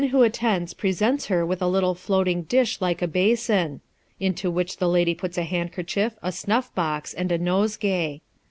59 attends presents her with a little floating dish like a basin ; into which the lady puts a handkerchief, a snuff box, and a nosegay.